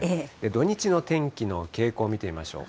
土日の天気の傾向を見てみましょう。